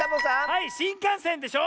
はいしんかんせんでしょ！